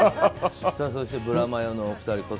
そして、ブラマヨのお二人。